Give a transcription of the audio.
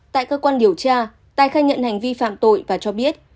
tại cơ quan điều tra tài khai nhận hành vi phạm tội và cho biết